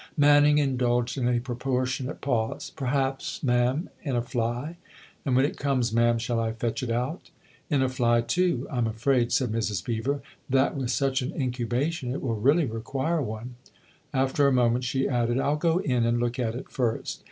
Manning indulged in a proportionate pause. " Perhaps, ma'am in a fly. And when it comes, ma'am, shall I fetch it out ?"" In a fly too ? I'm afraid," said Mrs. Beever, " that with such an incubation it will really require one." After a moment she added :" I'll go in and look at it first."